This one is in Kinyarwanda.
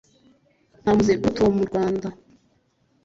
nta muze uruta uwo mu rwanda